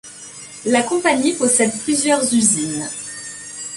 La compagnie possède plusieurs usines.